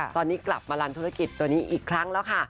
ตอนนี้กลับมารันธุรกิจตัวนี้อีกครั้งแล้วค่ะ